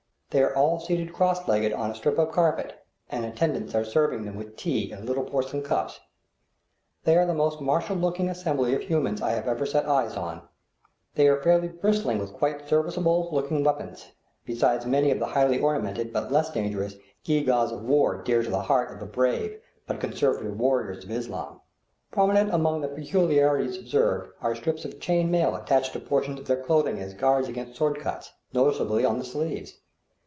They are all seated cross legged on a strip of carpet, and attendants are serving them with tea in little porcelain cups. They are the most martial looking assembly of humans I ever set eyes on. They are fairly bristling with quite serviceable looking weapons, besides many of the highly ornamented, but less dangerous, "gewgaws of war" dear to the heart of the brave but conservative warriors of Islam. Prominent among the peculiarities observed are strips of chain mail attached to portions of their clothing as guards against sword cuts, noticeably on the sleeves.